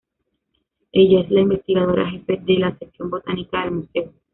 Ella es la investigadora Jefe de la Sección Botánica del Museo.